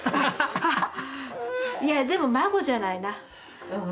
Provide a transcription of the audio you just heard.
いやでも孫じゃないな。